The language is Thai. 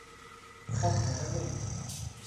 ซนเหมือนลิง